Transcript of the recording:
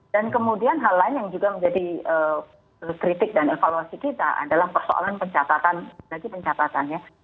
dan kemudian hal lain yang juga menjadi kritik dan evaluasi kita adalah persoalan pencatatan lagi pencatatannya